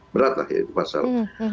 beratlah ya pasal